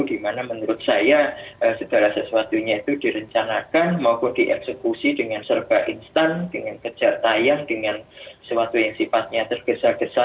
dimana menurut saya segala sesuatunya itu direncanakan maupun dieksekusi dengan serba instan dengan kejartayan dengan sesuatu yang sifatnya terbesar